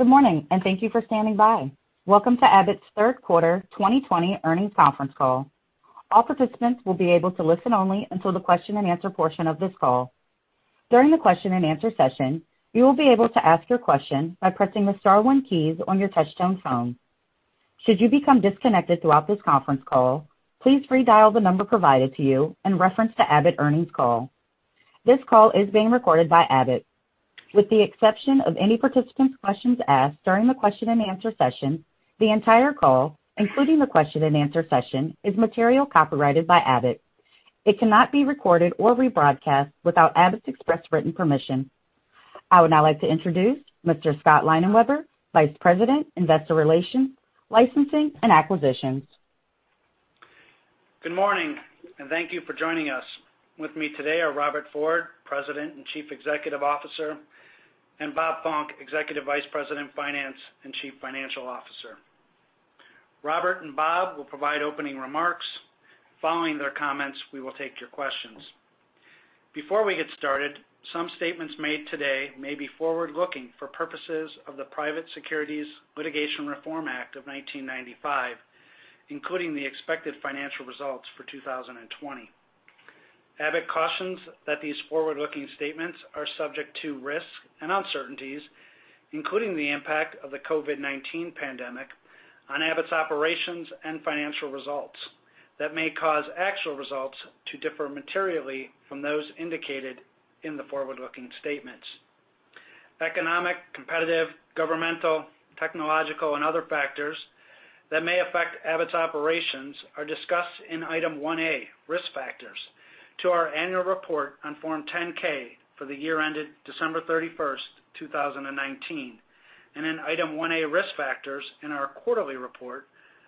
Good morning, and thank you for standing by. Welcome to Abbott's third quarter 2020 earnings conference call. All participants will be able to listen only until the question and answer portion of this call. During the question and answer session, you will be able to ask your question by pressing the star one keys on your touchtone phone. Should you become disconnected throughout this conference call, please redial the number provided to you and reference the Abbott earnings call. This call is being recorded by Abbott. With the exception of any participant's questions asked during the question and answer session, the entire call, including the question and answer session, is material copyrighted by Abbott. It cannot be recorded or rebroadcast without Abbott's express written permission. I would now like to introduce Mr. Scott Leinenweber, Vice President, Investor Relations, Licensing, and Acquisitions. Good morning, and thank you for joining us. With me today are Robert Ford, President and Chief Executive Officer, and Bob Funck, Executive Vice President, Finance, and Chief Financial Officer. Robert and Bob will provide opening remarks. Following their comments, we will take your questions. Before we get started, some statements made today may be forward-looking for purposes of the Private Securities Litigation Reform Act of 1995, including the expected financial results for 2020. Abbott cautions that these forward-looking statements are subject to risks and uncertainties, including the impact of the COVID-19 pandemic on Abbott's operations and financial results that may cause actual results to differ materially from those indicated in the forward-looking statements. Economic, competitive, governmental, technological, and other factors that may affect Abbott's operations are discussed in Item 1A, Risk Factors, to our annual report on Form 10-K for the year ended December 31st, 2019, and in Item 1A, Risk Factors, in our quarterly report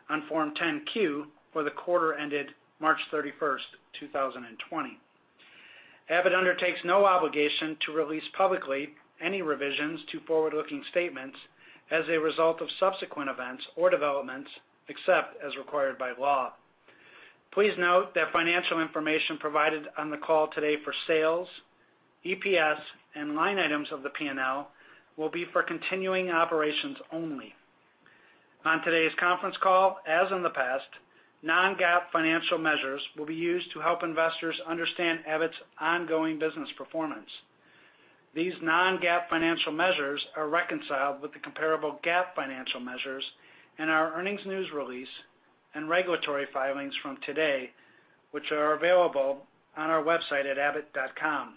on Form 10-Q for the quarter ended March 31st, 2020. Abbott undertakes no obligation to release publicly any revisions to forward-looking statements as a result of subsequent events or developments, except as required by law. Please note that financial information provided on the call today for sales, EPS, and line items of the P&L will be for continuing operations only. On today's conference call, as in the past, non-GAAP financial measures will be used to help investors understand Abbott's ongoing business performance. These non-GAAP financial measures are reconciled with the comparable GAAP financial measures in our earnings news release and regulatory filings from today, which are available on our website at abbott.com.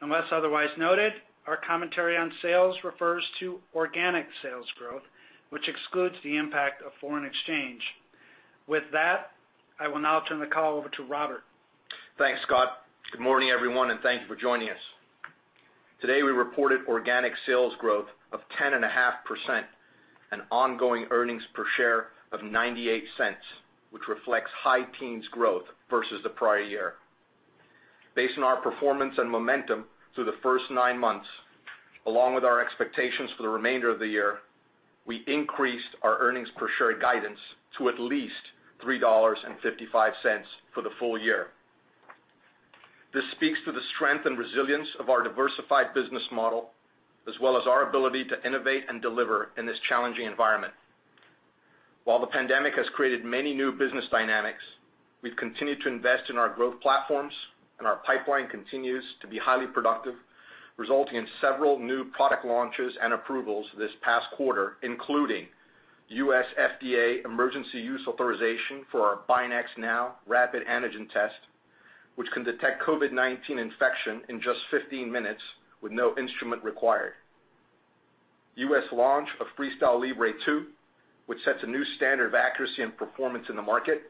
Unless otherwise noted, our commentary on sales refers to organic sales growth, which excludes the impact of foreign exchange. With that, I will now turn the call over to Robert. Thanks, Scott. Good morning, everyone, and thank you for joining us. Today, we reported organic sales growth of 10.5% and ongoing earnings per share of $0.98, which reflects high teens growth versus the prior year. Based on our performance and momentum through the first nine months, along with our expectations for the remainder of the year, we increased our earnings per share guidance to at least $3.55 for the full year. This speaks to the strength and resilience of our diversified business model, as well as our ability to innovate and deliver in this challenging environment. While the pandemic has created many new business dynamics, we've continued to invest in our growth platforms, and our pipeline continues to be highly productive, resulting in several new product launches and approvals this past quarter, including U.S. FDA Emergency Use Authorization for our BinaxNOW rapid antigen test, which can detect COVID-19 infection in just 15 minutes with no instrument required. U.S. launch of FreeStyle Libre 2, which sets a new standard of accuracy and performance in the market.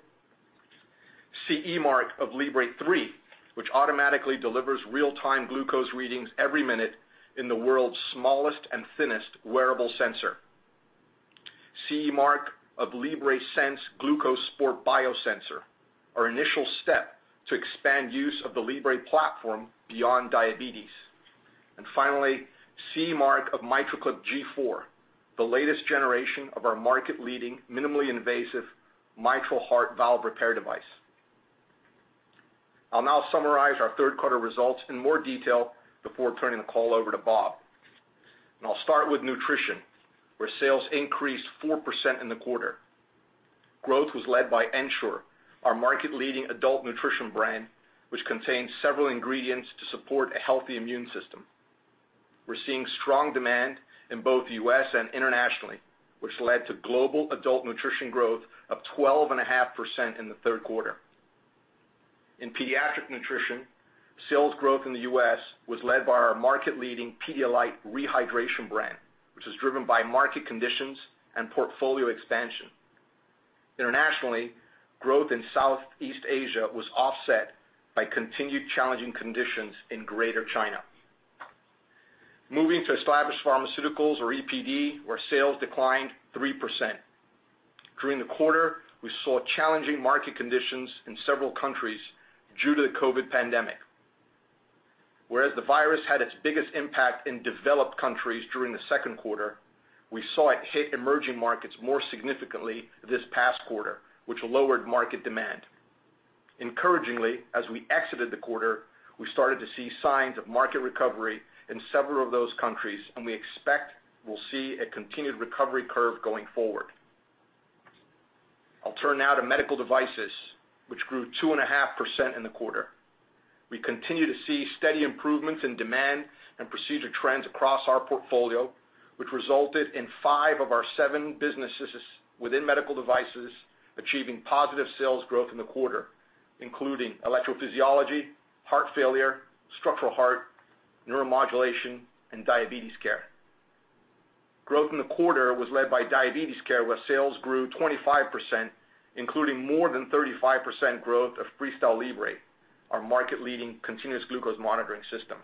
CE mark of Libre 3, which automatically delivers real-time glucose readings every minute in the world's smallest and thinnest wearable sensor. CE mark of Libre Sense Glucose Sport Biosensor, our initial step to expand use of the Libre platform beyond diabetes. Finally, CE mark of MitraClip G4, the latest generation of our market-leading, minimally invasive mitral heart valve repair device. I'll now summarize our third quarter results in more detail before turning the call over to Bob. I'll start with nutrition, where sales increased 4% in the quarter. Growth was led by Ensure, our market-leading adult nutrition brand, which contains several ingredients to support a healthy immune system. We're seeing strong demand in both U.S. and internationally, which led to global adult nutrition growth of 12.5% in the third quarter. In pediatric nutrition, sales growth in the U.S. was led by our market-leading Pedialyte rehydration brand, which was driven by market conditions and portfolio expansion. Internationally, growth in Southeast Asia was offset by continued challenging conditions in Greater China. Moving to established pharmaceuticals or EPD, where sales declined 3%. During the quarter, we saw challenging market conditions in several countries due to the COVID pandemic. Whereas the virus had its biggest impact in developed countries during the second quarter, we saw it hit emerging markets more significantly this past quarter, which lowered market demand. Encouragingly, as we exited the quarter, we started to see signs of market recovery in several of those countries, we expect we'll see a continued recovery curve going forward. I'll turn now to medical devices, which grew 2.5% in the quarter. We continue to see steady improvements in demand and procedure trends across our portfolio, which resulted in five of our seven businesses within medical devices achieving positive sales growth in the quarter, including electrophysiology, heart failure, structural heart, neuromodulation and diabetes care. Growth in the quarter was led by diabetes care, where sales grew 25%, including more than 35% growth of FreeStyle Libre, our market-leading continuous glucose monitoring system.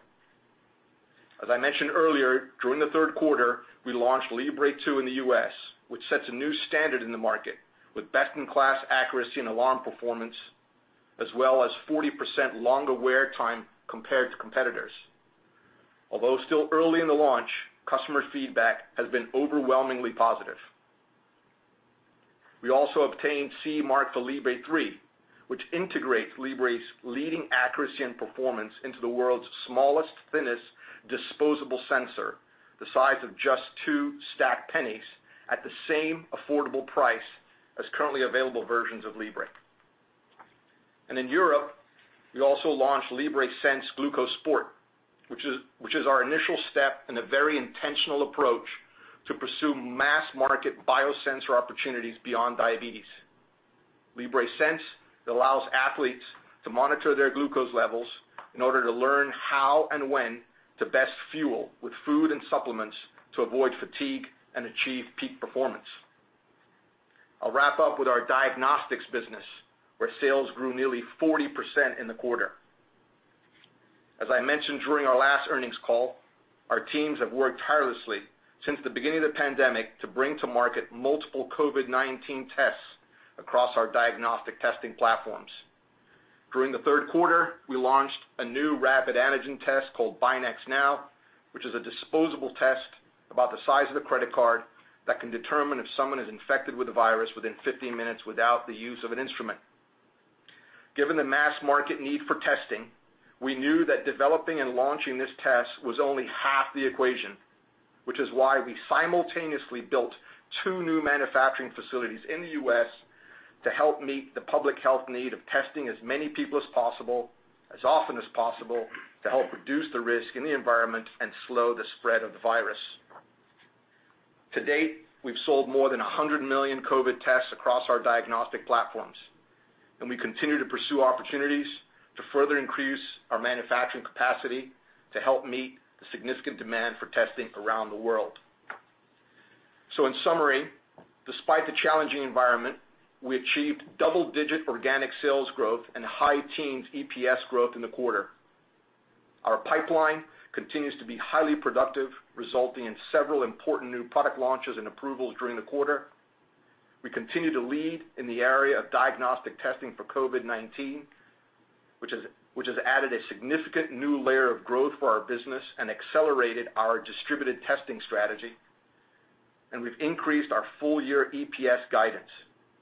As I mentioned earlier, during the third quarter, we launched Libre 2 in the U.S., which sets a new standard in the market, with best-in-class accuracy and alarm performance, as well as 40% longer wear time compared to competitors. Although still early in the launch, customer feedback has been overwhelmingly positive. We also obtained CE mark for Libre 3, which integrates Libre's leading accuracy and performance into the world's smallest, thinnest disposable sensor, the size of just two stacked pennies, at the same affordable price as currently available versions of Libre. In Europe, we also launched Libre Sense Glucose Sport, which is our initial step in a very intentional approach to pursue mass market biosensor opportunities beyond diabetes. Libre Sense allows athletes to monitor their glucose levels in order to learn how and when to best fuel with food and supplements to avoid fatigue and achieve peak performance. I'll wrap up with our diagnostics business, where sales grew nearly 40% in the quarter. As I mentioned during our last earnings call, our teams have worked tirelessly since the beginning of the pandemic to bring to market multiple COVID-19 tests across our diagnostic testing platforms. During the third quarter, we launched a new rapid antigen test called BinaxNOW, which is a disposable test about the size of a credit card that can determine if someone is infected with the virus within 15 minutes without the use of an instrument. Given the mass market need for testing, we knew that developing and launching this test was only half the equation, which is why we simultaneously built two new manufacturing facilities in the U.S. to help meet the public health need of testing as many people as possible, as often as possible, to help reduce the risk in the environment and slow the spread of the virus. To date, we've sold more than a hundred million COVID tests across our diagnostic platforms, and we continue to pursue opportunities to further increase our manufacturing capacity to help meet the significant demand for testing around the world. In summary, despite the challenging environment, we achieved double-digit organic sales growth and high teens EPS growth in the quarter. Our pipeline continues to be highly productive, resulting in several important new product launches and approvals during the quarter. We continue to lead in the area of diagnostic testing for COVID-19, which has added a significant new layer of growth for our business and accelerated our distributed testing strategy. We've increased our full year EPS guidance,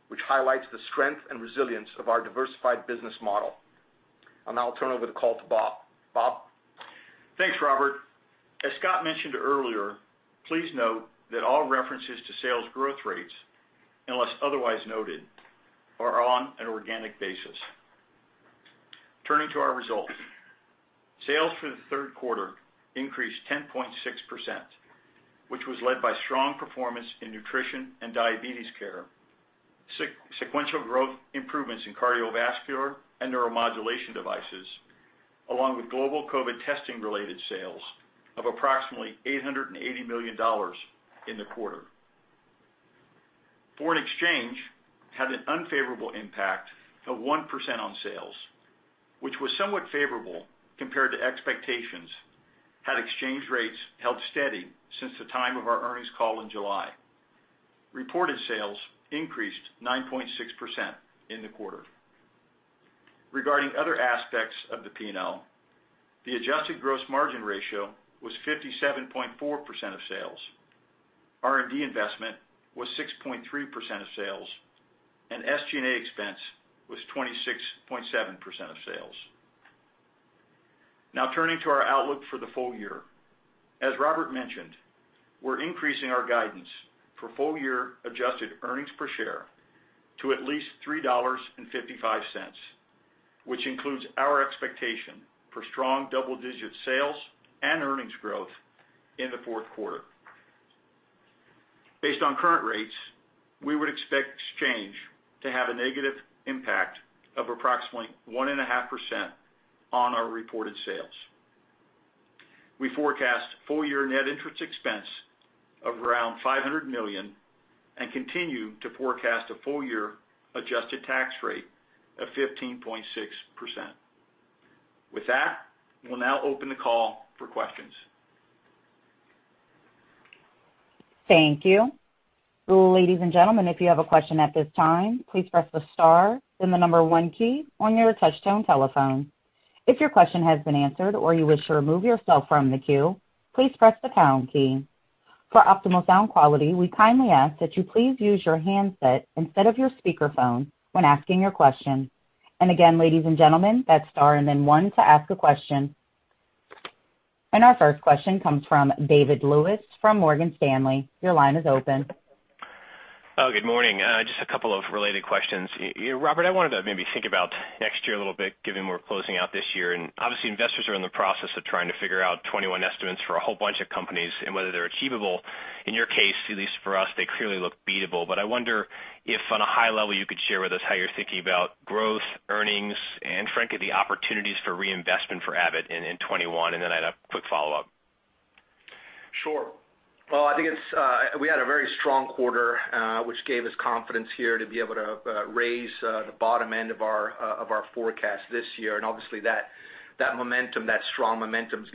which highlights the strength and resilience of our diversified business model. I'll now turn over the call to Bob. Bob? Thanks, Robert. As Scott mentioned earlier, please note that all references to sales growth rates, unless otherwise noted, are on an organic basis. Turning to our results. Sales for the third quarter increased 10.6%, which was led by strong performance in nutrition and diabetes care, sequential growth improvements in cardiovascular and neuromodulation devices, along with global COVID testing related sales of approximately $880 million in the quarter. Foreign exchange had an unfavorable impact of 1% on sales, which was somewhat favorable compared to expectations, had exchange rates held steady since the time of our earnings call in July. Reported sales increased 9.6% in the quarter. Regarding other aspects of the P&L, the adjusted gross margin ratio was 57.4% of sales. R&D investment was 6.3% of sales, and SG&A expense was 26.7% of sales. Now turning to our outlook for the full year. As Robert mentioned, we're increasing our guidance for full year adjusted earnings per share to at least $3.55, which includes our expectation for strong double-digit sales and earnings growth in the fourth quarter. Based on current rates, we would expect exchange to have a negative impact of approximately 1.5% on our reported sales. We forecast full year net interest expense of around $500 million and continue to forecast a full year adjusted tax rate of 15.6%. With that, we'll now open the call for questions. Thank you. Ladies and gentlemen, if you have a question at this time, please press the star then the number one key on your touch-tone telephone. If your question has been answered or you wish to remove yourself from the queue, please press the pound key. For optimal sound quality, we kindly ask that you please use your handset instead of your speakerphone when asking your question. Again, ladies and gentlemen, that's star and then one to ask a question. Our first question comes from David Lewis from Morgan Stanley. Your line is open. Oh, good morning. Just a couple of related questions. Robert, I wanted to maybe think about next year a little bit, given we're closing out this year, and obviously investors are in the process of trying to figure out 2021 estimates for a whole bunch of companies and whether they're achievable. In your case, at least for us, they clearly look beatable. I wonder if, on a high level, you could share with us how you're thinking about growth, earnings, and frankly, the opportunities for reinvestment for Abbott in 2021, and then I had a quick follow-up. Sure. Well, I think we had a very strong quarter, which gave us confidence here to be able to raise the bottom end of our forecast this year. Obviously that strong momentum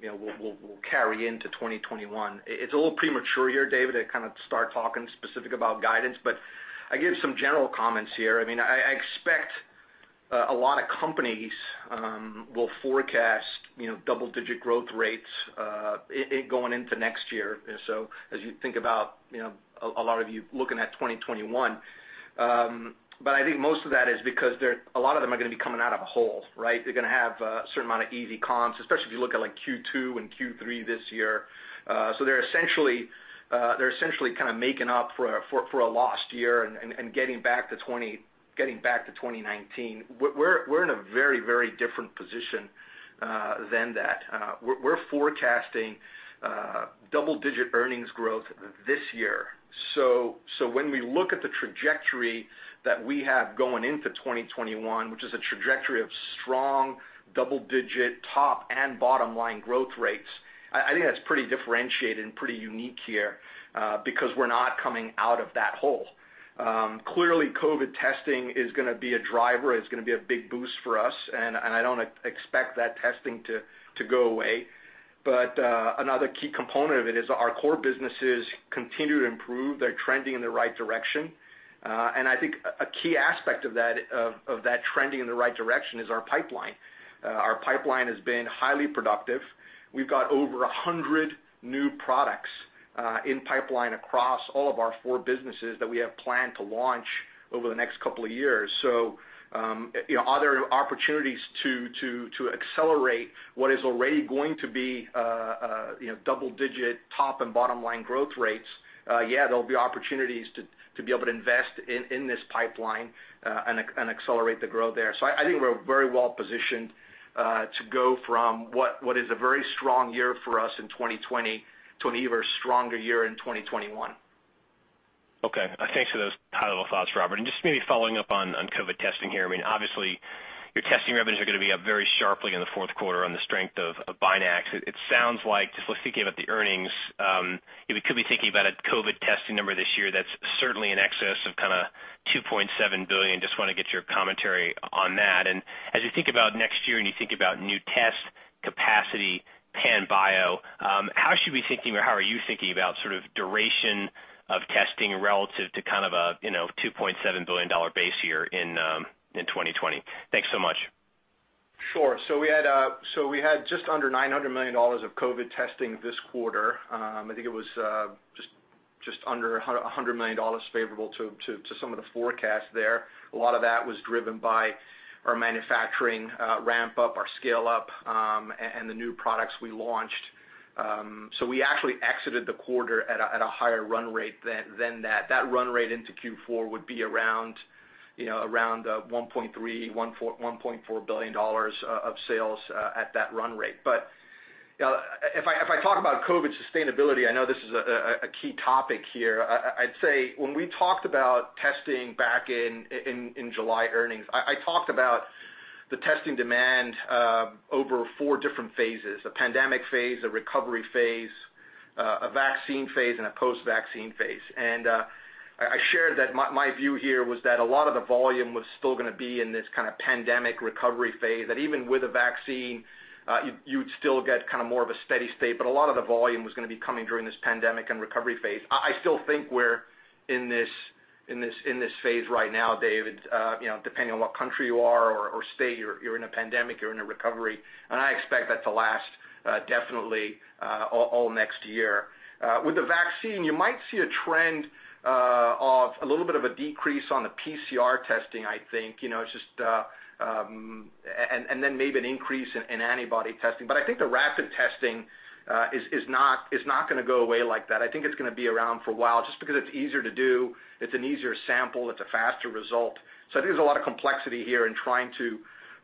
will carry into 2021. It's a little premature here, David, to start talking specific about guidance, but I give some general comments here. I expect a lot of companies will forecast double-digit growth rates going into next year. As you think about, a lot of you looking at 2021. I think most of that is because a lot of them are going to be coming out of a hole, right? They're going to have a certain amount of easy comps, especially if you look at Q2 and Q3 this year. They're essentially making up for a lost year and getting back to 2019. We're in a very different position than that. We're forecasting double-digit earnings growth this year. When we look at the trajectory that we have going into 2021, which is a trajectory of strong double-digit top and bottom-line growth rates, I think that's pretty differentiated and pretty unique here, because we're not coming out of that hole. Clearly, COVID testing is going to be a driver. It's going to be a big boost for us, and I don't expect that testing to go away. Another key component of it is our core businesses continue to improve. They're trending in the right direction. I think a key aspect of that trending in the right direction is our pipeline. Our pipeline has been highly productive. We've got over a hundred new products in pipeline across all of our four businesses that we have planned to launch over the next couple of years. Are there opportunities to accelerate what is already going to be double-digit top and bottom-line growth rates? Yeah, there'll be opportunities to be able to invest in this pipeline and accelerate the growth there. I think we're very well positioned to go from what is a very strong year for us in 2020 to an even stronger year in 2021. Okay. Thanks for those high-level thoughts, Robert. Just maybe following up on COVID testing here. Obviously your testing revenues are going to be up very sharply in the 4th quarter on the strength of Binax. It sounds like, just thinking about the earnings, we could be thinking about a COVID testing number this year that's certainly in excess of $2.7 billion. Just want to get your commentary on that. As you think about next year and you think about new test capacity, Panbio, how should we be thinking, or how are you thinking about sort of duration of testing relative to kind of a $2.7 billion base year in 2020? Thanks so much. Sure. We had just under $900 million of COVID testing this quarter. I think it was just under $100 million favorable to some of the forecasts there. A lot of that was driven by our manufacturing ramp-up, our scale-up, and the new products we launched. We actually exited the quarter at a higher run rate than that. That run rate into Q4 would be around $1.3 billion, $1.4 billion of sales at that run rate. If I talk about COVID sustainability, I know this is a key topic here. I'd say when we talked about testing back in July earnings, I talked about the testing demand over four different phases, a pandemic phase, a recovery phase, a vaccine phase, and a post-vaccine phase. I shared that my view here was that a lot of the volume was still going to be in this kind of pandemic recovery phase, that even with a vaccine, you'd still get more of a steady state. A lot of the volume was going to be coming during this pandemic and recovery phase. I still think we're in this phase right now, David. Depending on what country you are or state, you're in a pandemic, you're in a recovery, and I expect that to last definitely all next year. With the vaccine, you might see a trend of a little bit of a decrease on the PCR testing, I think, and then maybe an increase in antibody testing. I think the rapid testing is not going to go away like that. I think it's going to be around for a while just because it's easier to do, it's an easier sample, it's a faster result. I think there's a lot of complexity here in trying to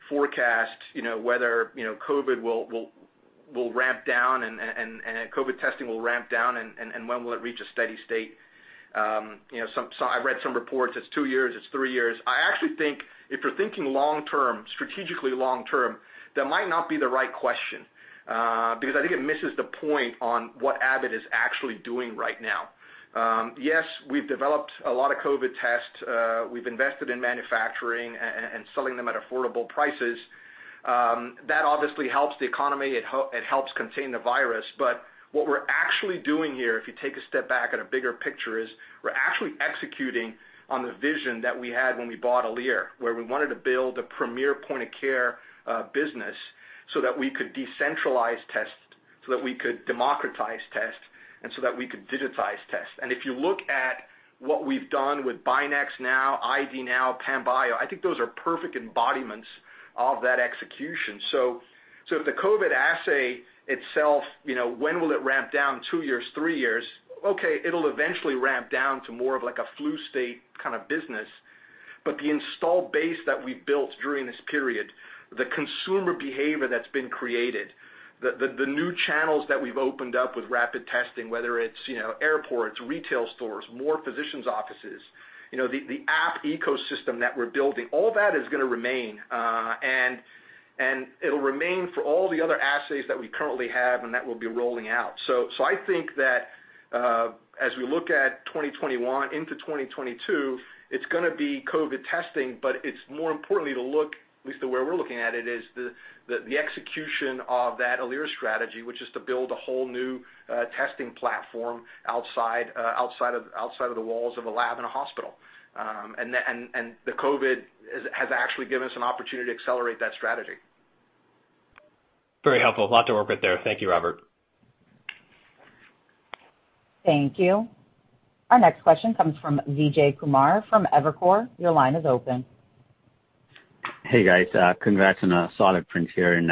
forecast whether COVID will ramp down and COVID testing will ramp down, and when will it reach a steady state. I read some reports, it's two years, it's three years. I actually think if you're thinking strategically long-term, that might not be the right question, because I think it misses the point on what Abbott is actually doing right now. Yes, we've developed a lot of COVID tests. We've invested in manufacturing and selling them at affordable prices. That obviously helps the economy, it helps contain the virus. What we're actually doing here, if you take a step back at a bigger picture, is we're actually executing on the vision that we had when we bought Alere, where we wanted to build a premier point-of-care business so that we could decentralize test, so that we could democratize test, and so that we could digitize test. If you look at what we've done with BinaxNOW, ID NOW, Panbio, I think those are perfect embodiments of that execution. If the COVID assay itself when will it ramp down? Two years, three years. Okay, it'll eventually ramp down to more of like a flu state kind of business. The installed base that we built during this period, the consumer behavior that's been created, the new channels that we've opened up with rapid testing, whether it's airports, retail stores, more physicians' offices, the app ecosystem that we're building, all that is going to remain. It'll remain for all the other assays that we currently have and that we'll be rolling out. I think that as we look at 2021 into 2022, it's going to be COVID testing, but it's more importantly to look, at least the way we're looking at it, is the execution of that Alere strategy, which is to build a whole new testing platform outside of the walls of a lab in a hospital. The COVID has actually given us an opportunity to accelerate that strategy. Very helpful. A lot to work with there. Thank you, Robert. Thank you. Our next question comes from Vijay Kumar from Evercore. Your line is open. Hey, guys. Congrats on a solid print here, and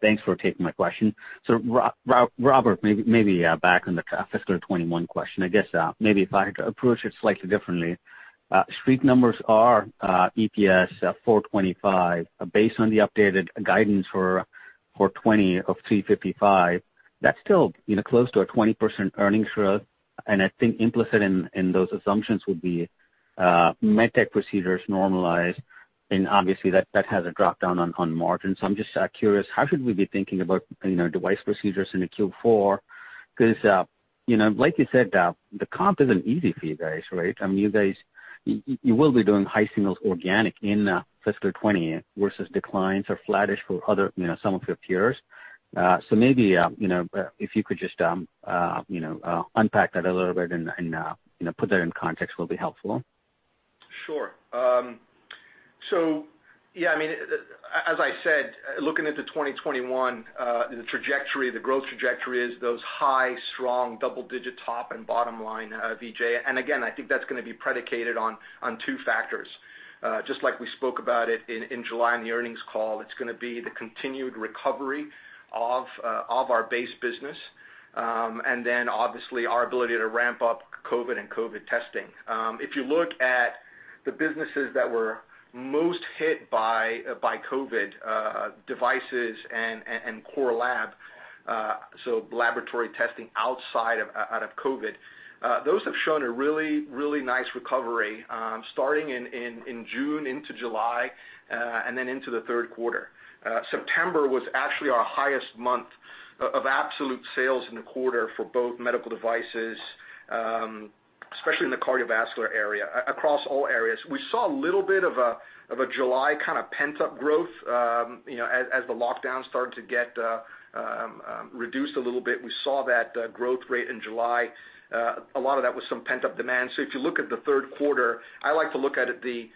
thanks for taking my question. Robert, maybe back on the fiscal 2021 question. I guess, maybe if I could approach it slightly differently. Street numbers are EPS $4.25. Based on the updated guidance for 2020 of $3.55, that's still close to a 20% earnings growth. I think implicit in those assumptions would be MedTech procedures normalized, and obviously, that has a dropdown on margin. I'm just curious, how should we be thinking about device procedures into Q4? Because like you said, the comp isn't easy for you guys, right? You will be doing high singles organic in fiscal 2020 versus declines or flattish for some of your peers. Maybe if you could just unpack that a little bit and put that in context will be helpful. Sure. Yeah, as I said, looking into 2021, the growth trajectory is those high, strong, double-digit top and bottom line, Vijay. Again, I think that's going to be predicated on two factors. Just like we spoke about it in July on the earnings call, it's going to be the continued recovery of our base business, and then obviously our ability to ramp up COVID and COVID testing. If you look at the businesses that were most hit by COVID, devices and core lab, so laboratory testing outside of COVID, those have shown a really nice recovery, starting in June into July, and then into the third quarter. September was actually our highest month of absolute sales in the quarter for both medical devices, especially in the cardiovascular area, across all areas. We saw a little bit of a July kind of pent-up growth as the lockdown started to get reduced a little bit. We saw that growth rate in July. A lot of that was some pent-up demand. If you look at the third quarter, I like to look at the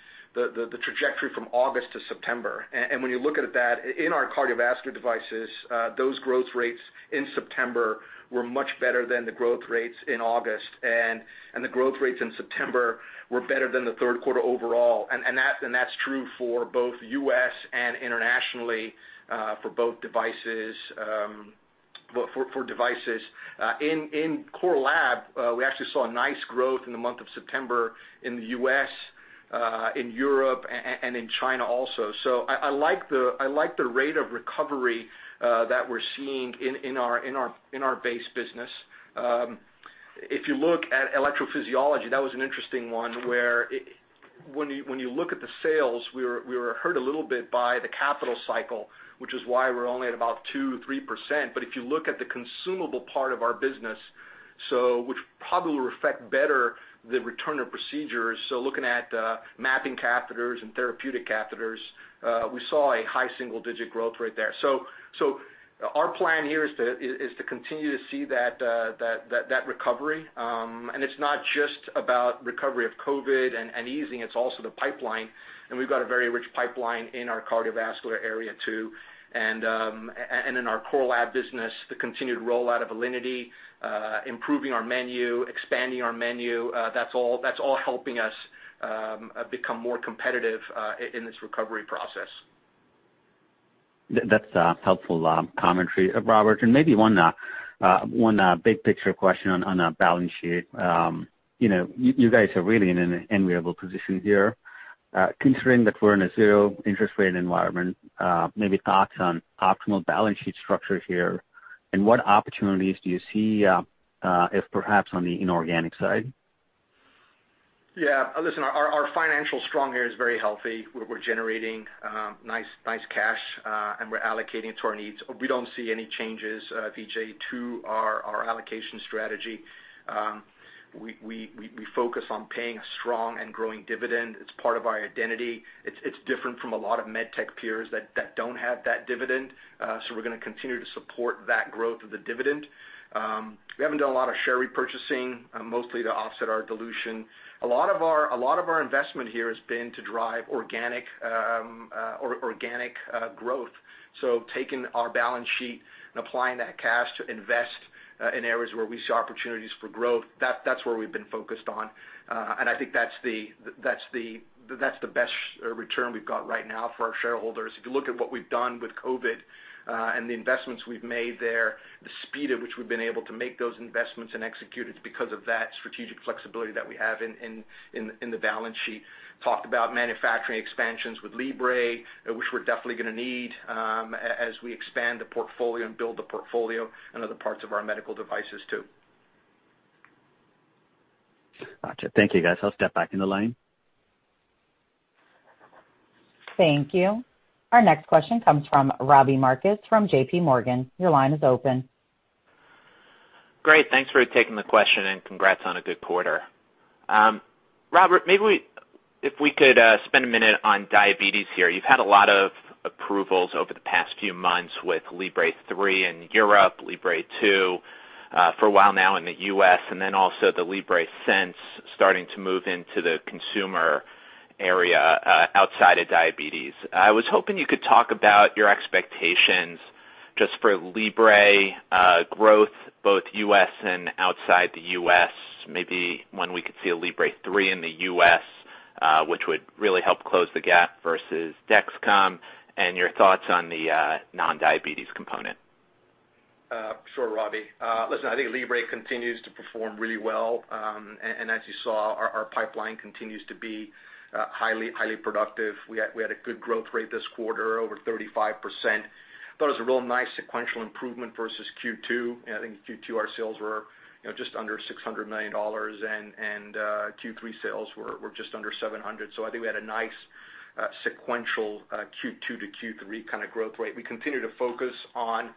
trajectory from August to September. When you look at that, in our cardiovascular devices, those growth rates in September were much better than the growth rates in August. The growth rates in September were better than the third quarter overall. That's true for both U.S. and internationally, for both devices. In core lab, we actually saw a nice growth in the month of September in the U.S., in Europe, and in China also. I like the rate of recovery that we're seeing in our base business. If you look at electrophysiology, that was an interesting one where when you look at the sales, we were hurt a little bit by the capital cycle, which is why we're only at about 2%-3%. If you look at the consumable part of our business, which probably will reflect better the return of procedures, so looking at mapping catheters and therapeutic catheters, we saw a high single-digit growth rate there. Our plan here is to continue to see that recovery. It's not just about recovery of COVID and easing, it's also the pipeline. We've got a very rich pipeline in our cardiovascular area too. In our core lab business, the continued rollout of Alinity, improving our menu, expanding our menu, that's all helping us become more competitive in this recovery process. That's helpful commentary, Robert. Maybe one big picture question on the balance sheet. You guys are really in an enviable position here. Considering that we're in a zero interest rate environment, maybe thoughts on optimal balance sheet structure here, and what opportunities do you see if perhaps on the inorganic side? Listen, our financial strength here is very healthy. We're generating nice cash, and we're allocating it to our needs. We don't see any changes, Vijay, to our allocation strategy. We focus on paying a strong and growing dividend. It's part of our identity. It's different from a lot of med tech peers that don't have that dividend. We're going to continue to support that growth of the dividend. We haven't done a lot of share repurchasing, mostly to offset our dilution. A lot of our investment here has been to drive organic growth. Taking our balance sheet and applying that cash to invest in areas where we see opportunities for growth, that's where we've been focused on. I think that's the best return we've got right now for our shareholders. If you look at what we've done with COVID, and the investments we've made there, the speed at which we've been able to make those investments and execute it's because of that strategic flexibility that we have in the balance sheet. Talked about manufacturing expansions with Libre, which we're definitely going to need as we expand the portfolio and build the portfolio and other parts of our medical devices, too. Got you. Thank you, guys. I'll step back in the line. Thank you. Our next question comes from Robbie Marcus from JPMorgan. Your line is open. Great. Thanks for taking the question, congrats on a good quarter. Robert, maybe if we could spend a minute on diabetes here. You've had a lot of approvals over the past few months with Libre 3 in Europe, Libre 2 for a while now in the U.S., also the Libre Sense starting to move into the consumer area outside of diabetes. I was hoping you could talk about your expectations just for Libre growth, both U.S. and outside the U.S. Maybe when we could see a Libre 3 in the U.S., which would really help close the gap versus Dexcom, your thoughts on the non-diabetes component. Sure, Robbie. Listen, I think Libre continues to perform really well. As you saw, our pipeline continues to be highly productive. We had a good growth rate this quarter, over 35%. Thought it was a real nice sequential improvement versus Q2. I think in Q2 our sales were just under $600 million, and Q3 sales were just under $700 million. I think we had a nice sequential Q2 to Q3 kind of growth rate. We continue to focus on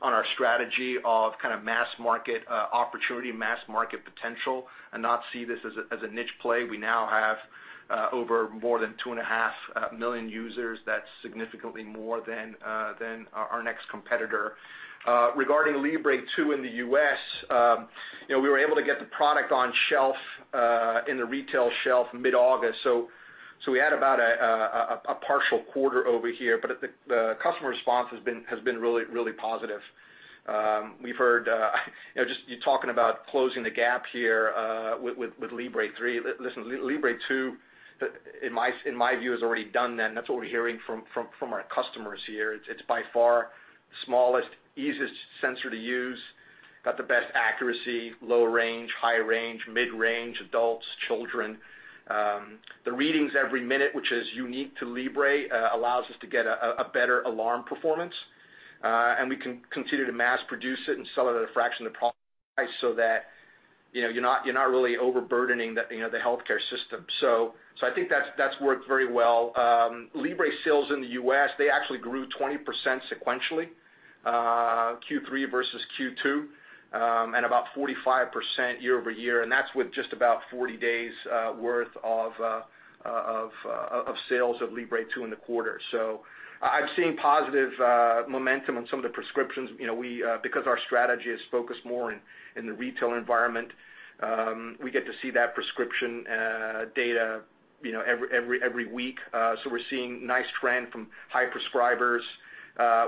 our strategy of kind of mass market opportunity, mass market potential, and not see this as a niche play. We now have over more than 2.5 million users. That's significantly more than our next competitor. Regarding Libre 2 in the U.S., we were able to get the product on shelf in the retail shelf mid-August. We had about a partial quarter over here, but the customer response has been really positive. You're talking about closing the gap here with Libre 3. Listen, Libre 2, in my view, has already done that, and that's what we're hearing from our customers here. It's by far the smallest, easiest sensor to use, got the best accuracy, low range, high range, mid-range, adults, children. The readings every minute, which is unique to Libre allows us to get a better alarm performance. We can continue to mass produce it and sell it at a fraction of the price so that you're not really overburdening the healthcare system. I think that's worked very well. Libre sales in the U.S., they actually grew 20% sequentially Q3 versus Q2, and about 45% year-over-year. That's with just about 40 days worth of sales of Libre 2 in the quarter. I'm seeing positive momentum on some of the prescriptions because our strategy is focused more in the retail environment. We get to see that prescription data every week. We're seeing nice trend from high prescribers.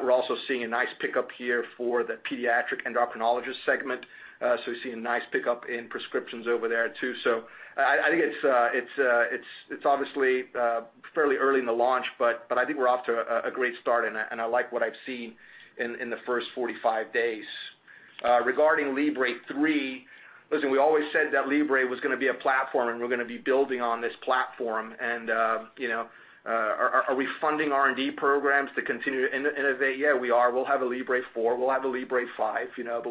We're also seeing a nice pickup here for the pediatric endocrinologist segment. We're seeing a nice pickup in prescriptions over there, too. I think it's obviously fairly early in the launch, but I think we're off to a great start, and I like what I've seen in the first 45 days. Regarding Libre 3, listen, we always said that Libre was going to be a platform and we're going to be building on this platform. Are we funding R&D programs to continue to innovate? Yeah, we are. We'll have a Libre 4, we'll have a Libre 5. I think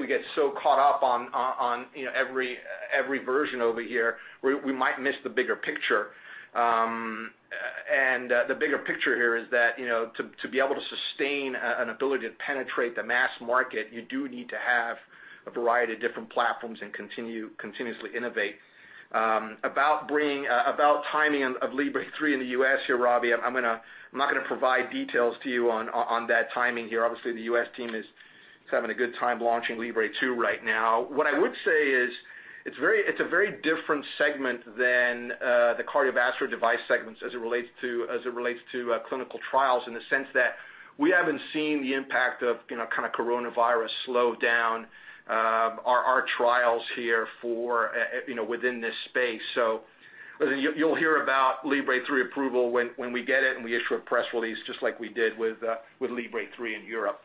we get so caught up on every version over here, we might miss the bigger picture. The bigger picture here is that to be able to sustain an ability to penetrate the mass market, you do need to have a variety of different platforms and continuously innovate. About timing of Libre 3 in the U.S. here, Robbie, I'm not going to provide details to you on that timing here. Obviously, the U.S. team is having a good time launching Libre 2 right now. What I would say is it's a very different segment than the cardiovascular device segments as it relates to clinical trials in the sense that we haven't seen the impact of kind of coronavirus slow down our trials here within this space. You'll hear about Libre 3 approval when we get it and we issue a press release, just like we did with Libre 3 in Europe.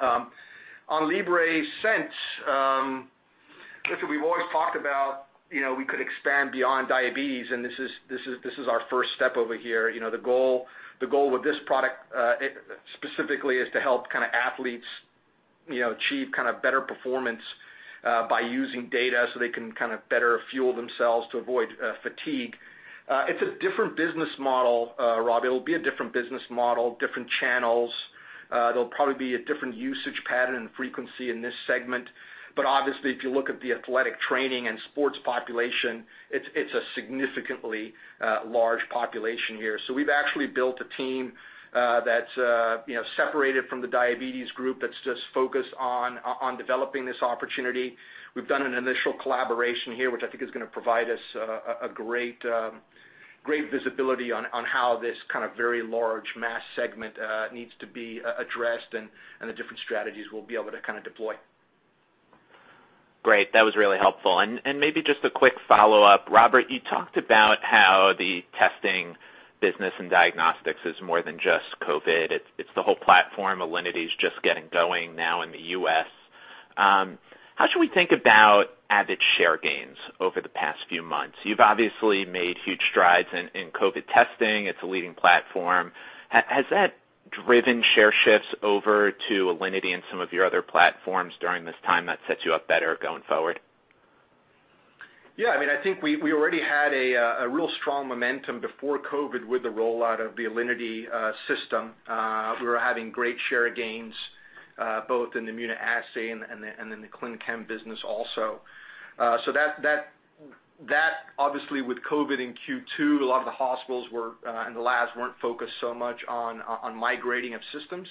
On Libre Sense, listen, we've always talked about we could expand beyond diabetes, and this is our first step over here. The goal with this product specifically is to help kind of athletes achieve better performance by using data so they can better fuel themselves to avoid fatigue. It's a different business model, Robbie. It'll be a different business model, different channels. There'll probably be a different usage pattern and frequency in this segment. Obviously, if you look at the athletic training and sports population, it's a significantly large population here. We've actually built a team that's separated from the diabetes group, that's just focused on developing this opportunity. We've done an initial collaboration here, which I think is going to provide us a great visibility on how this kind of very large mass segment needs to be addressed and the different strategies we'll be able to kind of deploy. Great. That was really helpful. Maybe just a quick follow-up. Robert, you talked about how the testing business and diagnostics is more than just COVID. It's the whole platform. Alinity's just getting going now in the U.S. How should we think about Abbott's share gains over the past few months? You've obviously made huge strides in COVID testing. It's a leading platform. Has that driven share shifts over to Alinity and some of your other platforms during this time that sets you up better going forward? Yeah. I think we already had a real strong momentum before COVID with the rollout of the Alinity system. We were having great share gains, both in immunoassay and in the clin chem business also. That, obviously, with COVID in Q2, a lot of the hospitals and the labs weren't focused so much on migrating of systems.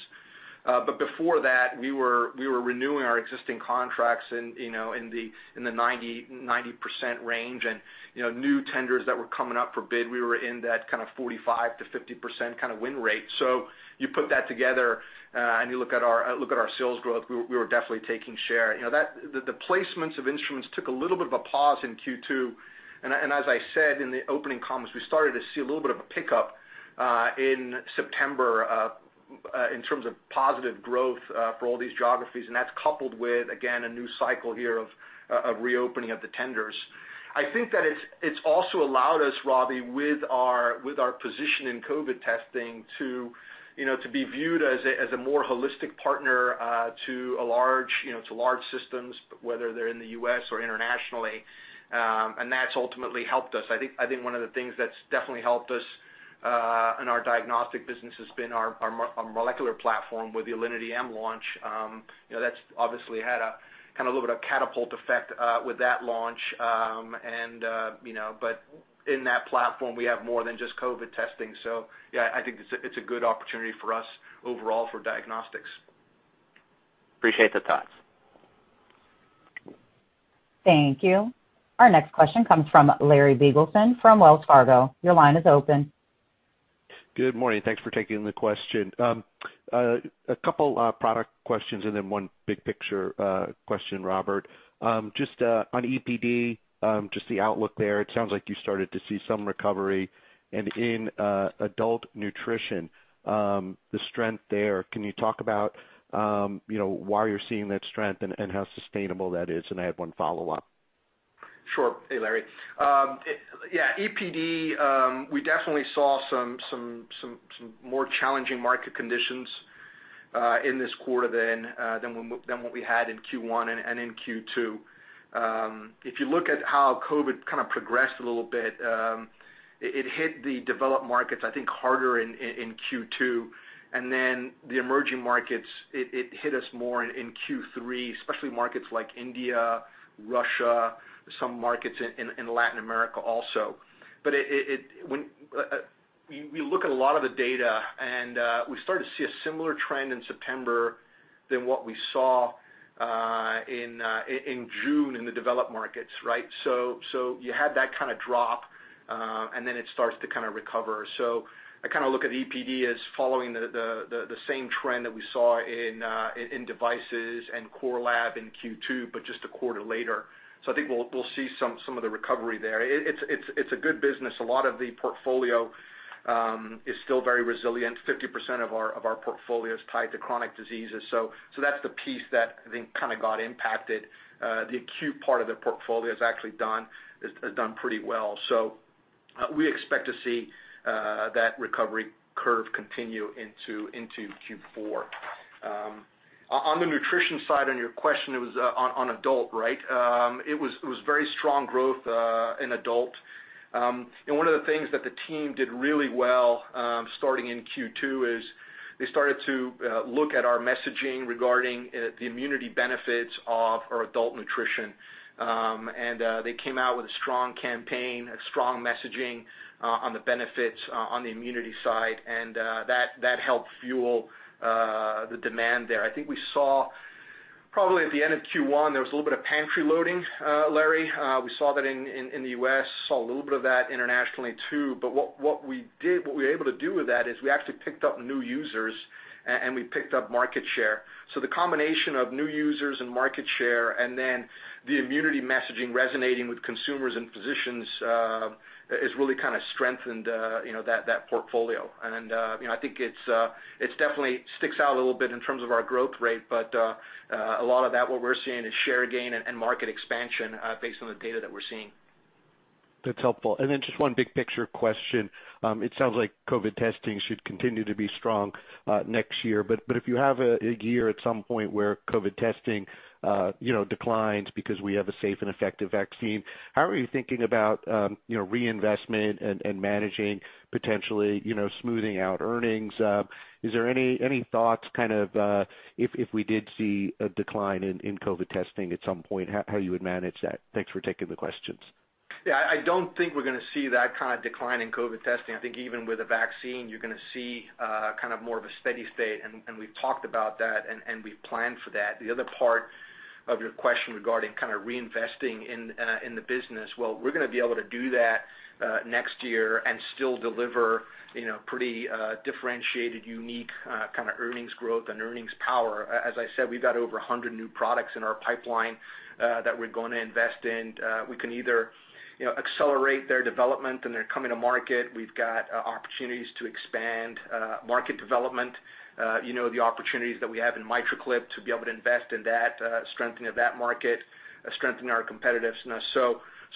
Before that, we were renewing our existing contracts in the 90% range. New tenders that were coming up for bid, we were in that 45%-50% win rate. You put that together, and you look at our sales growth, we were definitely taking share. The placements of instruments took a little bit of a pause in Q2, and as I said in the opening comments, we started to see a little bit of a pickup in September, in terms of positive growth for all these geographies, and that's coupled with, again, a new cycle here of reopening of the tenders. I think that it's also allowed us, Robbie, with our position in COVID testing to be viewed as a more holistic partner to large systems, whether they're in the U.S. or internationally, and that's ultimately helped us. I think one of the things that's definitely helped us in our diagnostic business has been our molecular platform with the Alinity m launch. That's obviously had a little bit of catapult effect with that launch. In that platform, we have more than just COVID testing. Yeah, I think it's a good opportunity for us overall for diagnostics. Appreciate the thoughts. Thank you. Our next question comes from Larry Biegelsen from Wells Fargo. Your line is open. Good morning. Thanks for taking the question. A couple product questions and then one big picture question, Robert. Just on EPD, just the outlook there, it sounds like you started to see some recovery. In adult nutrition, the strength there, can you talk about why you're seeing that strength and how sustainable that is? I have one follow-up. Sure. Hey, Larry. EPD, we definitely saw some more challenging market conditions in this quarter than what we had in Q1 and in Q2. If you look at how COVID kind of progressed a little bit, it hit the developed markets, I think, harder in Q2, and then the emerging markets, it hit us more in Q3, especially markets like India, Russia, some markets in Latin America also. We look at a lot of the data, and we started to see a similar trend in September than what we saw in June in the developed markets, right? You had that drop, and then it starts to recover. I look at EPD as following the same trend that we saw in devices and core lab in Q2, but just a quarter later. I think we'll see some of the recovery there. It's a good business. A lot of the portfolio is still very resilient. 50% of our portfolio is tied to chronic diseases. That's the piece that I think got impacted. The acute part of the portfolio has done pretty well. We expect to see that recovery curve continue into Q4. On the nutrition side, on your question, it was on adult, right? It was very strong growth in adult. One of the things that the team did really well, starting in Q2, is they started to look at our messaging regarding the immunity benefits of our adult nutrition. They came out with a strong campaign, a strong messaging on the benefits on the immunity side. That helped fuel the demand there. I think we saw probably at the end of Q1, there was a little bit of pantry loading, Larry. We saw that in the U.S., saw a little bit of that internationally too. What we were able to do with that is we actually picked up new users and we picked up market share. The combination of new users and market share, the immunity messaging resonating with consumers and physicians has really strengthened that portfolio. I think it definitely sticks out a little bit in terms of our growth rate, a lot of that, what we're seeing is share gain and market expansion based on the data that we're seeing. That's helpful. Just one big picture question. It sounds like COVID testing should continue to be strong next year, but if you have a year at some point where COVID testing declines because we have a safe and effective vaccine, how are you thinking about reinvestment and managing, potentially smoothing out earnings? Is there any thoughts, if we did see a decline in COVID testing at some point, how you would manage that? Thanks for taking the questions. Yeah, I don't think we're going to see that kind of decline in COVID testing. I think even with a vaccine, you're going to see more of a steady state, and we've talked about that, and we've planned for that. The other part of your question regarding kind of reinvesting in the business, well, we're going to be able to do that next year and still deliver pretty differentiated, unique kind of earnings growth and earnings power. As I said, we've got over a hundred new products in our pipeline that we're going to invest in. We can either accelerate their development and their coming to market. We've got opportunities to expand market development. The opportunities that we have in MitraClip to be able to invest in that, strengthening of that market, strengthening our competitiveness.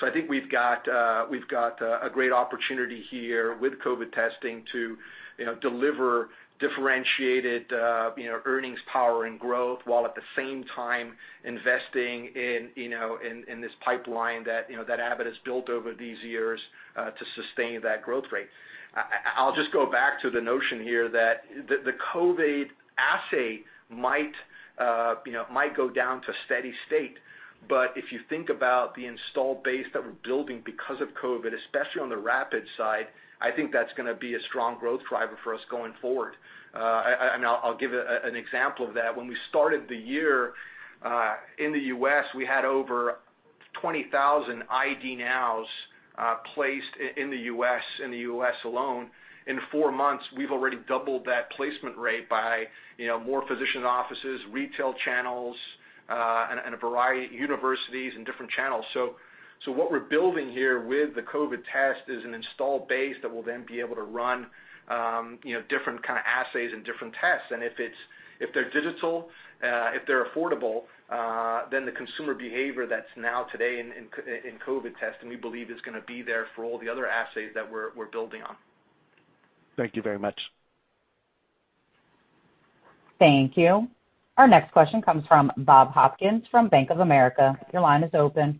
I think we've got a great opportunity here with COVID testing to deliver differentiated earnings power and growth while at the same time investing in this pipeline that Abbott has built over these years to sustain that growth rate. I'll just go back to the notion here that the COVID assay might go down to steady state. If you think about the installed base that we're building because of COVID, especially on the rapid side, I think that's going to be a strong growth driver for us going forward. I'll give an example of that. When we started the year in the U.S., we had over 20,000 ID NOWs placed in the U.S. alone. In four months, we've already doubled that placement rate by more physician offices, retail channels, and a variety of universities and different channels. What we're building here with the COVID test is an installed base that will then be able to run different kind of assays and different tests. If they're digital, if they're affordable, then the consumer behavior that's now today in COVID testing, we believe is going to be there for all the other assays that we're building on. Thank you very much. Thank you. Our next question comes from Bob Hopkins from Bank of America. Your line is open.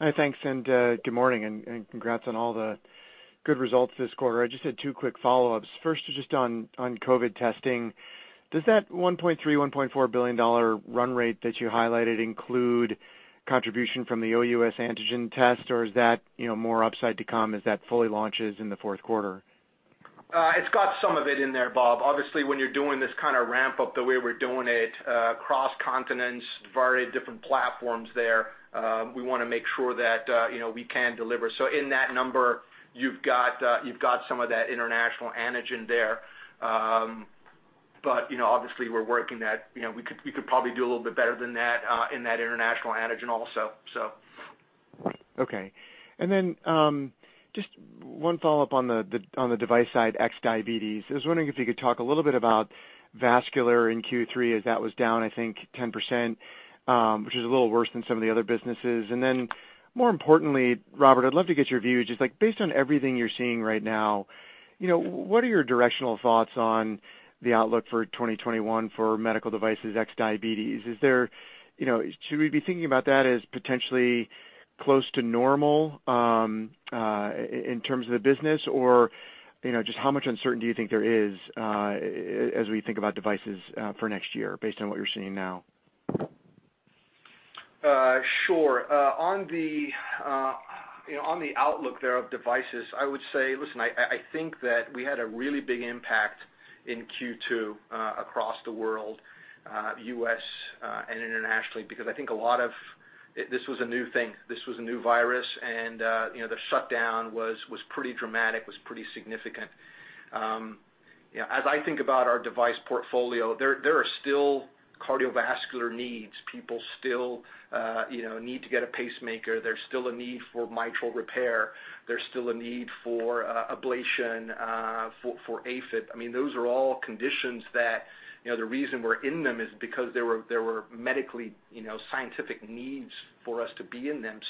Hi, thanks, and good morning, and congrats on all the good results this quarter. I just had two quick follow-ups. First, just on COVID testing. Does that $1.3 billion-$1.4 billion run rate that you highlighted include contribution from the OUS antigen test, or is that more upside to come as that fully launches in the fourth quarter? It's got some of it in there, Bob. When you're doing this kind of ramp up the way we're doing it across continents, varied different platforms there, we want to make sure that we can deliver. In that number, you've got some of that international antigen there. Obviously we're working that. We could probably do a little bit better than that in that international antigen also. Okay. Then just one follow-up on the device side, ex-diabetes. I was wondering if you could talk a little bit about vascular in Q3 as that was down, I think, 10%, which is a little worse than some of the other businesses. Then more importantly, Robert, I'd love to get your view, just based on everything you're seeing right now, what are your directional thoughts on the outlook for 2021 for medical devices, ex-diabetes? Should we be thinking about that as potentially close to normal in terms of the business? Just how much uncertainty do you think there is as we think about devices for next year based on what you're seeing now? Sure. On the outlook there of devices, I would say, listen, I think that we had a really big impact in Q2 across the world, U.S. and internationally, because this was a new thing, this was a new virus. The shutdown was pretty dramatic, was pretty significant. As I think about our device portfolio, there are still cardiovascular needs. People still need to get a pacemaker. There's still a need for mitral repair. There's still a need for ablation for AFib. Those are all conditions that the reason we're in them is because there were medically scientific needs for us to be in them.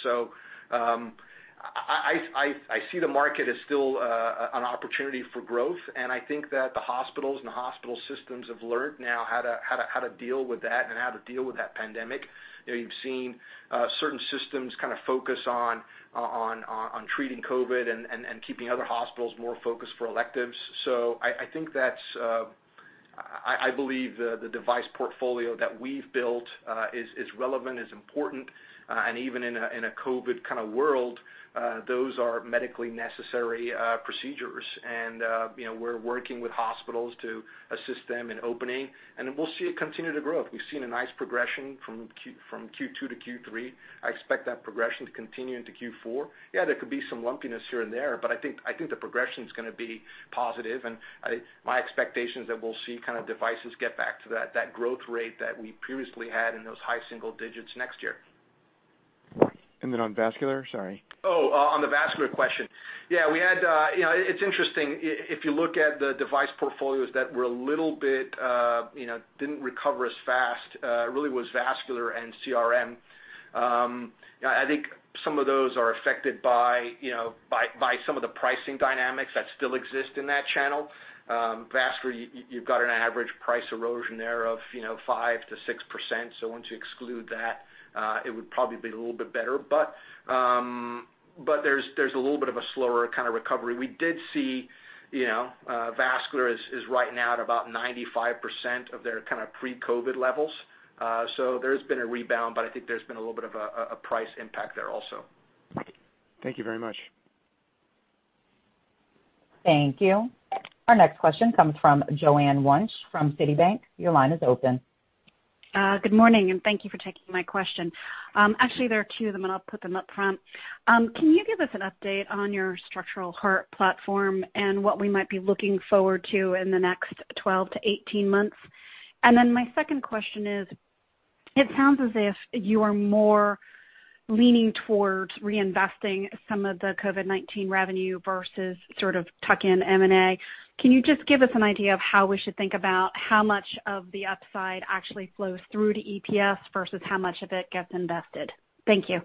I see the market as still an opportunity for growth. I think that the hospitals and the hospital systems have learned now how to deal with that and how to deal with that pandemic. You've seen certain systems kind of focus on treating COVID and keeping other hospitals more focused for electives. I believe the device portfolio that we've built is relevant, is important, and even in a COVID kind of world, those are medically necessary procedures. We're working with hospitals to assist them in opening, and we'll see it continue to grow. We've seen a nice progression from Q2 to Q3. I expect that progression to continue into Q4. There could be some lumpiness here and there, but I think the progression is going to be positive, and my expectation is that we'll see kind of devices get back to that growth rate that we previously had in those high single digits next year. On vascular? Sorry. On the vascular question. Yeah, it's interesting, if you look at the device portfolios that didn't recover as fast, really was vascular and CRM. I think some of those are affected by some of the pricing dynamics that still exist in that channel. Vascular, you've got an average price erosion there of 5%-6%. Once you exclude that, it would probably be a little bit better. There's a little bit of a slower kind of recovery. We did see vascular is right now at about 95% of their pre-COVID levels. There has been a rebound, but I think there's been a little bit of a price impact there also. Thank you very much. Thank you. Our next question comes from Joanne Wuensch from Citibank. Your line is open. Good morning, and thank you for taking my question. Actually there are two of them, and I'll put them up front. Can you give us an update on your structural heart platform and what we might be looking forward to in the next 12-18 months? My second question is, it sounds as if you are more leaning towards reinvesting some of the COVID-19 revenue versus sort of tuck-in M&A. Can you just give us an idea of how we should think about how much of the upside actually flows through to EPS versus how much of it gets invested? Thank you.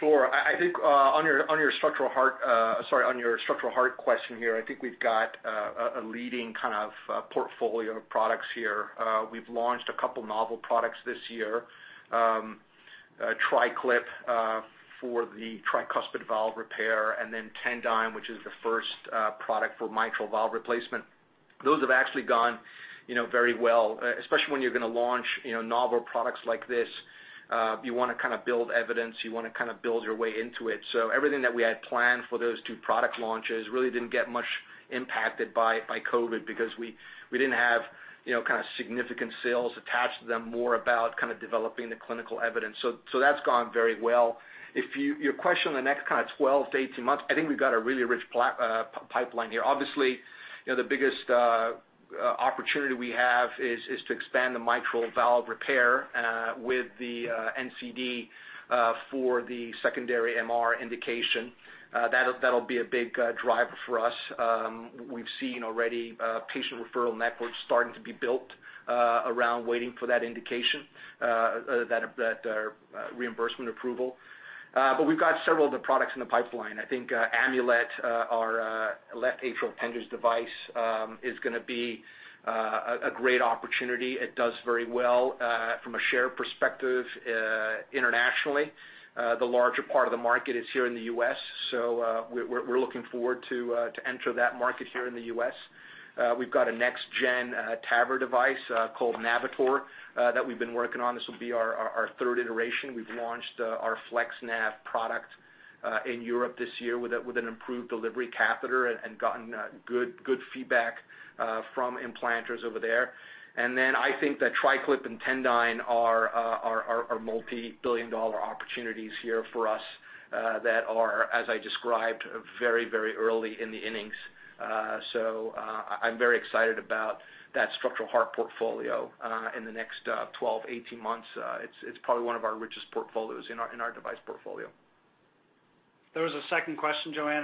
Sure. I think on your structural heart question here, I think we've got a leading kind of portfolio of products here. We've launched a couple novel products this year, TriClip for the tricuspid valve repair, and then Tendyne, which is the first product for mitral valve replacement. Those have actually gone very well. Especially when you're going to launch novel products like this, you want to kind of build evidence, you want to kind of build your way into it. Everything that we had planned for those two product launches really didn't get much impacted by COVID because we didn't have kind of significant sales attached to them, more about kind of developing the clinical evidence. That's gone very well. Your question on the next kind of 12-18 months, I think we've got a really rich pipeline here. Obviously, the biggest opportunity we have is to expand the mitral valve repair with the NCD for the secondary MR indication. That'll be a big driver for us. We've seen already patient referral networks starting to be built around waiting for that indication, that reimbursement approval. We've got several other products in the pipeline. I think Amulet, our left atrial appendage device, is going to be a great opportunity. It does very well from a share perspective internationally. The larger part of the market is here in the U.S., we're looking forward to enter that market here in the U.S. We've got a next gen TAVR device called Navitor that we've been working on. This will be our third iteration. We've launched our FlexNav product in Europe this year with an improved delivery catheter and gotten good feedback from implanters over there. I think that TriClip and Tendyne are multi-billion dollar opportunities here for us that are, as I described, very early in the innings. I'm very excited about that structural heart portfolio in the next 12, 18 months. It's probably one of our richest portfolios in our device portfolio. There was a second question, Joanne.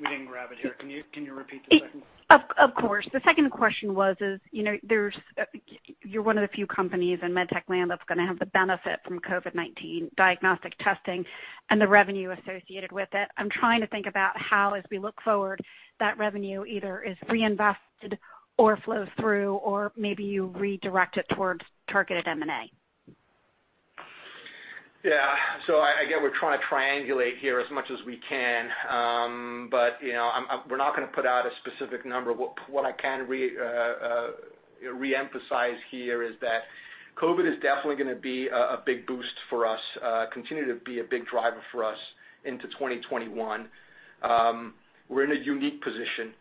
We didn't grab it here. Can you repeat the second one? Of course. The second question was is, you're one of the few companies in MedTech that's going to have the benefit from COVID-19 diagnostic testing and the revenue associated with it. I'm trying to think about how, as we look forward, that revenue either is reinvested or flows through, or maybe you redirect it towards targeted M&A. Yeah. I guess we're trying to triangulate here as much as we can. We're not going to put out a specific number. What I can re-emphasize here is that COVID is definitely going to be a big boost for us, continue to be a big driver for us into 2021. We're in a unique position.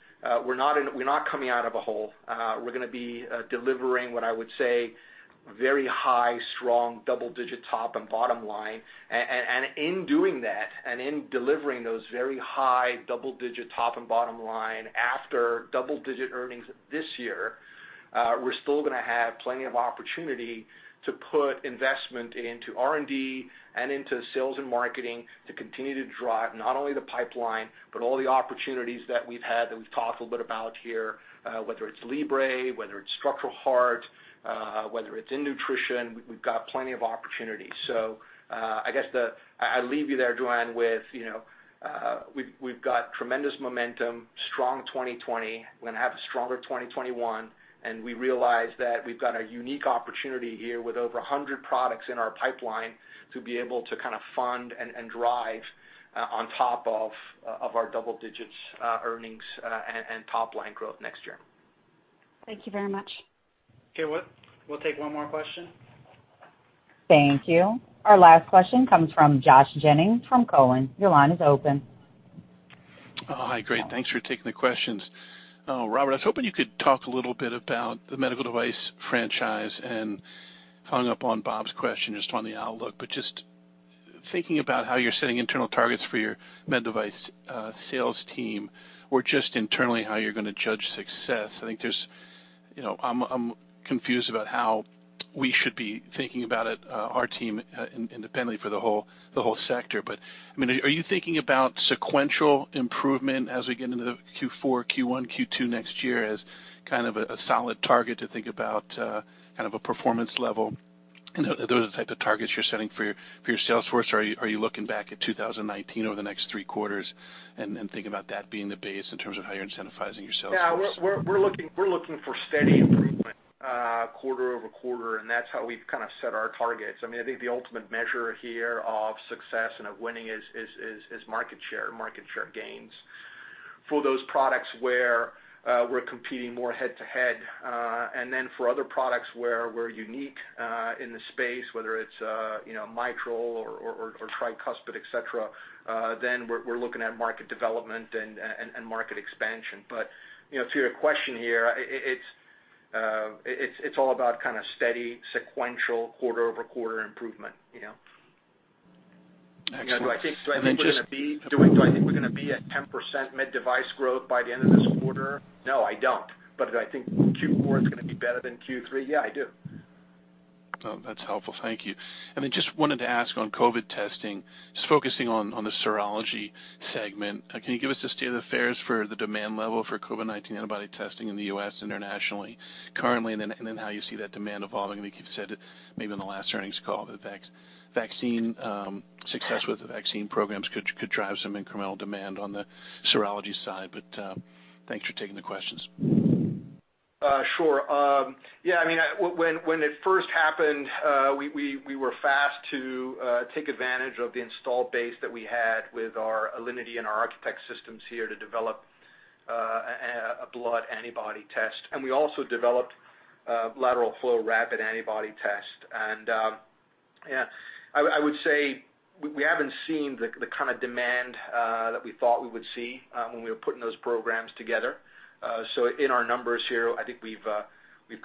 We're not coming out of a hole. We're going to be delivering what I would say very high, strong double-digit top and bottom line. In doing that, and in delivering those very high double-digit top and bottom line after double-digit earnings this year, we're still going to have plenty of opportunity to put investment into R&D and into sales and marketing to continue to drive not only the pipeline, but all the opportunities that we've had that we've talked a little bit about here. Whether it's Libre, whether it's structural heart, whether it's in nutrition, we've got plenty of opportunities. I guess I leave you there, Joanne, with we've got tremendous momentum, strong 2020. We're going to have a stronger 2021, and we realize that we've got a unique opportunity here with over a hundred products in our pipeline to be able to kind of fund and drive on top of our double digits earnings and top line growth next year. Thank you very much. Okay, we'll take one more question. Thank you. Our last question comes from Josh Jennings from Cowen. Your line is open. Hi, great. Thanks for taking the questions. Robert, I was hoping you could talk a little bit about the medical device franchise, and following up on Bob's question just on the outlook, just thinking about how you're setting internal targets for your med device sales team, or just internally how you're going to judge success. I'm confused about how we should be thinking about it, our team independently for the whole sector. Are you thinking about sequential improvement as we get into the Q4, Q1, Q2 next year as kind of a solid target to think about kind of a performance level? Are those the type of targets you're setting for your sales force, or are you looking back at 2019 over the next three quarters and thinking about that being the base in terms of how you're incentivizing your sales force? Yeah. We're looking for steady improvement quarter-over-quarter. That's how we've kind of set our targets. I think the ultimate measure here of success and of winning is market share gains for those products where we're competing more head-to-head. For other products where we're unique in the space, whether it's mitral or tricuspid, et cetera, we're looking at market development and market expansion. To your question here, it's all about kind of steady, sequential quarter-over-quarter improvement. Excellent and just. Do I think we're going to be at 10% med device growth by the end of this quarter? No, I don't. Do I think Q4 is going to be better than Q3? Yeah, I do. That's helpful. Thank you. Just wanted to ask on COVID testing, just focusing on the serology segment, can you give us a state of affairs for the demand level for COVID-19 antibody testing in the U.S., internationally currently, and then how you see that demand evolving? I think you've said it maybe in the last earnings call, that success with the vaccine programs could drive some incremental demand on the serology side. Thanks for taking the questions. Sure. Yeah, when it first happened, we were fast to take advantage of the installed base that we had with our Alinity and our ARCHITECT systems here to develop a blood antibody test. We also developed a lateral flow rapid antibody test. Yeah, I would say we haven't seen the kind of demand that we thought we would see when we were putting those programs together. In our numbers here, I think we've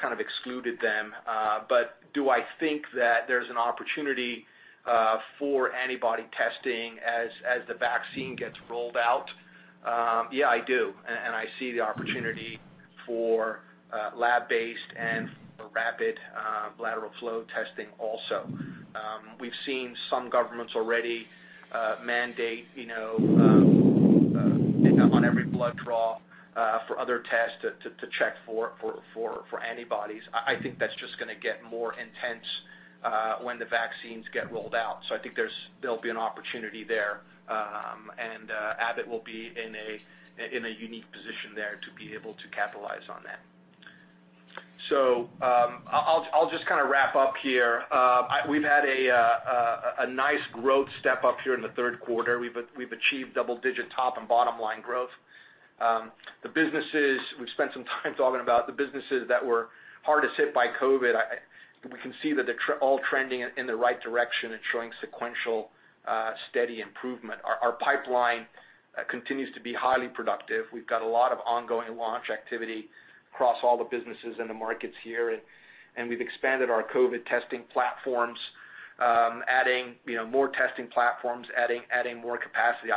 kind of excluded them. Do I think that there's an opportunity for antibody testing as the vaccine gets rolled out? Yeah, I do. I see the opportunity for lab-based and for rapid lateral flow testing also. We've seen some governments already mandate on every blood draw for other tests to check for antibodies. I think that's just going to get more intense when the vaccines get rolled out.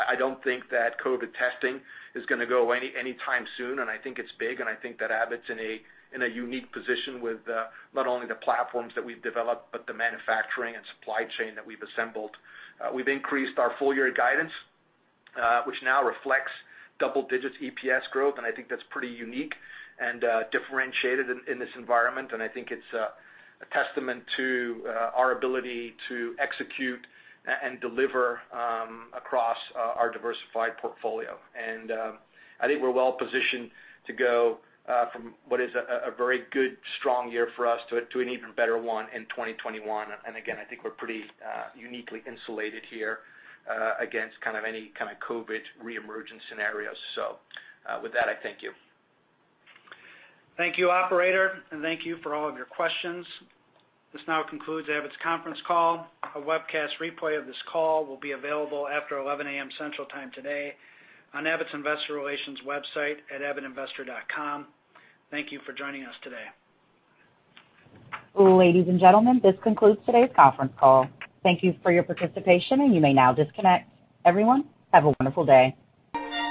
I don't think that COVID testing is going to go anytime soon. I think it's big. I think that Abbott's in a unique position with not only the platforms that we've developed, but the manufacturing and supply chain that we've assembled. We've increased our full-year guidance, which now reflects double-digit EPS growth. I think that's pretty unique and differentiated in this environment. I think it's a testament to our ability to execute and deliver across our diversified portfolio. I think we're well positioned to go from what is a very good, strong year for us to an even better one in 2021. Again, I think we're pretty uniquely insulated here against any kind of COVID re-emergent scenarios. With that, I thank you. Thank you, operator, and thank you for all of your questions. This now concludes Abbott's conference call. A webcast replay of this call will be available after 11:00 A.M. Central Time today on Abbott's investor relations website at abbottinvestor.com. Thank you for joining us today. Ladies and gentlemen, this concludes today's conference call. Thank you for your participation. You may now disconnect. Everyone, have a wonderful day.